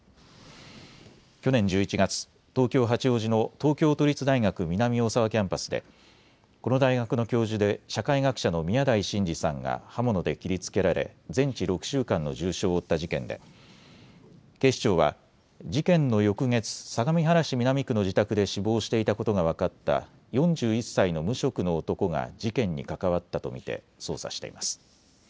去年１１月、東京八王子の東京都立大学南大沢キャンパスでこの大学の教授で社会学者の宮台真司さんが刃物で切りつけられ全治６週間の重傷を負った事件で警視庁は事件の翌月、相模原市南区の自宅で死亡していたことが分かった４１歳の無職の男が事件に関わったと見て捜査しています。